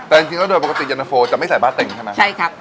แต่จริงจริงก็โดยปกติเย็นเตอร์โฟจะไม่ใส่บะเต็งใช่ไหมใช่ครับ